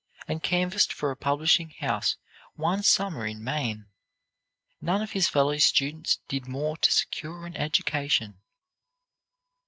and canvassed for a publishing house one summer in Maine. None of his fellow students did more to secure an education.